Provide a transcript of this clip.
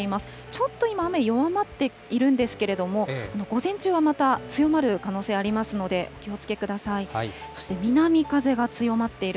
ちょっと今、雨、弱まっているんですけれども、午前中はまた強まる可能性ありますので、お気をつけください。